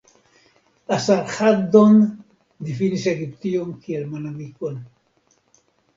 Asarĥaddon difinis Egiption kiel malamikon.